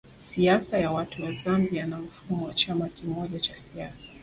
Siasa ya watu wa Zambia na mfumo wa chama kimoja cha siasa